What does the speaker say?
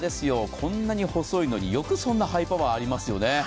こんなに細いのに、よくそんなハイパワーがありますよね。